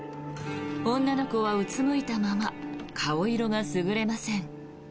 女の子はうつむいたまま顔色が優れません。